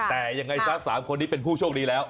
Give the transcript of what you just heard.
แต่ยังไงซะ๓คนนี้เป็นผู้โชคดีแล้ว